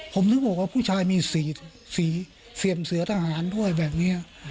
ผมถึงบอกว่าผู้ชายมีสีเสี่ยมเสือทหารด้วยแบบนี้